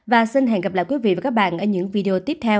và xin hẹn gặp lại quý vị và các bạn ở những video tiếp theo